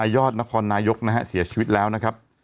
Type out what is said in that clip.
ยอดนครนายกนะฮะเสียชีวิตแล้วนะครับ